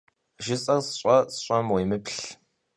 Jjıs'er ş'e, sş'em vuêmıplh.